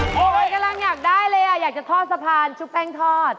กำลังอยากได้เลยอ่ะอยากจะทอดสะพานชุบแป้งทอด